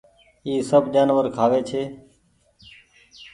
اي سب جآنور کآوي ڇي۔